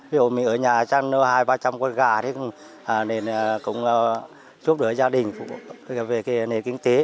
ví dụ mình ở nhà trăn nuôi hai trăm linh ba trăm linh con gà thì cũng giúp đỡ gia đình về nền kinh tế